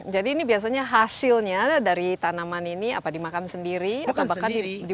jadi ini biasanya hasilnya dari tanaman ini dimakan sendiri atau dibawa ke jakarta